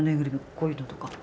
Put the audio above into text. こういうのとか。